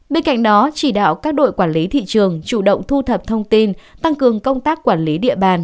bên cạnh đó chỉ đạo các đội quản lý thị trường chủ động thu thập thông tin tăng cường công tác quản lý địa bàn